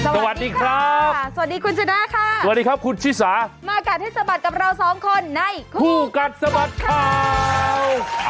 สวัสดีครับสวัสดีคุณชนะค่ะสวัสดีครับคุณชิสามากัดให้สะบัดกับเราสองคนในคู่กัดสะบัดข่าว